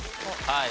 はい。